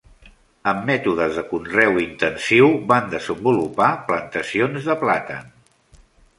Amb mètodes de conreu intensiu, van desenvolupar plantacions de plàtan.